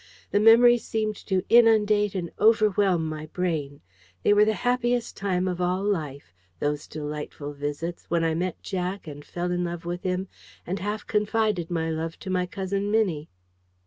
The memory seemed to inundate and overwhelm my brain. They were the happiest time of all life, those delightful visits, when I met Jack and fell in love with him, and half confided my love to my Cousin Minnie.